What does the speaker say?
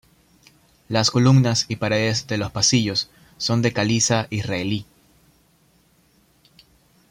Las columnas y paredes de los pasillos son de caliza israelí.